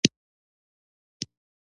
مؤلف د محمد امین اخندزاده زوی.